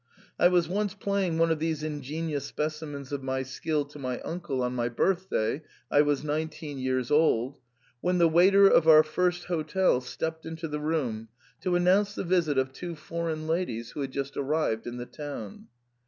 I was once playing one of these ingenious specimens of my skill to my uncle on my birthday (I was nineteen years old), when the waiter of our first hotel stepped into the room to announce the visit of two foreign ladies who had just arrived in the town.